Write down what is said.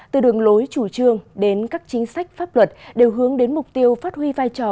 từ đường lối chủ trương đến các chính sách pháp luật đều hướng đến mục tiêu phát huy vai trò